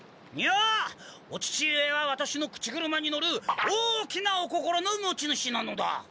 いやお父上はワタシの口車に乗る大きなお心の持ち主なのだ。